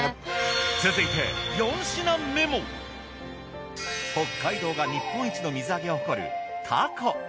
続いて４品目も北海道が日本一の水揚げを誇るたこ。